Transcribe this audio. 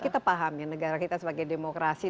kita paham ya negara kita sebagai demokrasi